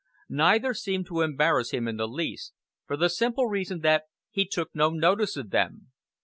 Neither seemed to embarrass him in the least, for the simple reason that he took no notice of them.